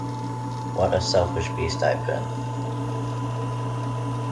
What a selfish beast I've been!